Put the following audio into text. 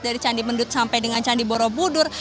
dari candi mendut sampai dengan candi borobudur